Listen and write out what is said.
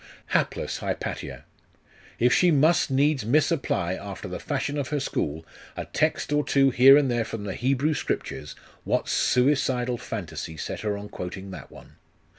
Hapless Hypatia! If she must needs misapply, after the fashion of her school, a text or two here and there from the Hebrew Scriptures, what suicidal fantasy set her on quoting that one?